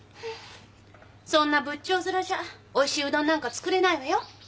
そんな仏頂面じゃおいしいうどんなんか作れないわよ。